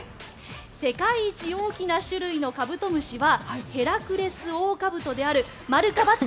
世界一大きな種類のカブトムシはヘラクレスオオカブトである〇か×か。